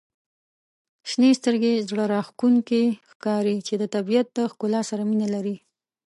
• شنې سترګي زړه راښکونکي ښکاري چې د طبیعت د ښکلا سره مینه لري.